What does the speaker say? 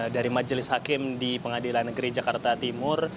dari majelis hakim di pengadilan negeri jakarta timur